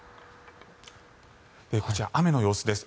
こちら、雨の様子です。